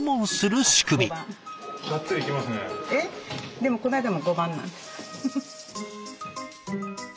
でもこの間も５番なんです。